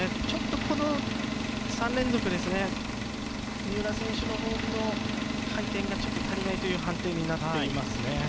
ちょっとこの３連続ですね三浦選手のほうの回転がちょっと足りないという判定になっていますね。